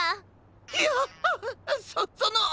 いやあっそその。